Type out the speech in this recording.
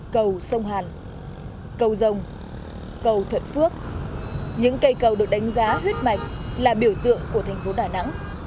cầu sông hàn cầu dông cầu thuận phước những cây cầu được đánh giá huyết mạch là biểu tượng của thành phố đà nẵng